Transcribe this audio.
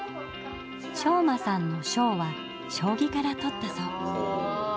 将真さんの「将」は将棋から取ったそう。